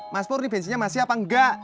mas pur ini bensinnya masih apa enggak